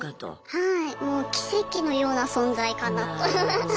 はい。